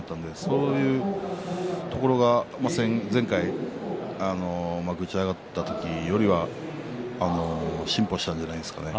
そういうところが前回幕内に上がった時よりは進歩したんじゃないですかね。